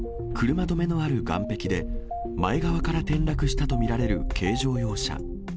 車止めのある岸壁で、前側から転落したと見られる軽乗用車。